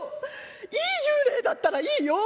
いい幽霊だったらいいよ。